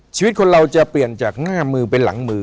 ชีวิตคนเราจะเปลี่ยนจากหน้ามือเป็นหลังมือ